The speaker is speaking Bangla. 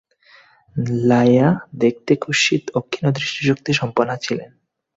লায়্যা দেখতে কুৎসিত ও ক্ষীণ দৃষ্টিশক্তি-সম্পন্না ছিলেন।